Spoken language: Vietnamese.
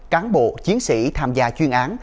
cán bộ chiến sĩ tham gia chuyên án